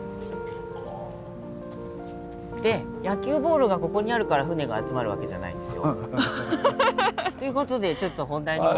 で野球ボールがここにあるから船が集まるわけじゃないんですよ。という事でちょっと本題に戻って頂きまして。